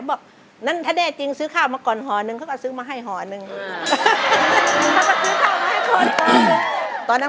บอกนั่นถ้าแน่จริงซื้อข้าวมาก่อนห่อนึงเขาก็ซื้อมาให้ห่อหนึ่ง